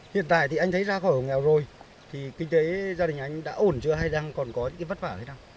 hiện tại thì anh thấy ra khỏi học nghèo rồi thì kinh tế gia đình anh đã ổn chưa hay đang còn có những cái vất vả hay không